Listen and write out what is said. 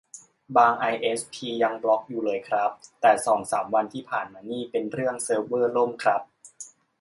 บางไอเอสพียังบล็อคอยู่เลยครับ แต่สองสามวันที่ผ่านมานี่ เป็นเรื่องเซิร์ฟเวอร์ล่มครับ